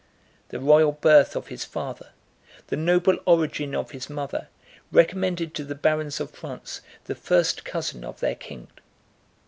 The royal birth of his father, the noble origin of his mother, recommended to the barons of France the first cousin of their king.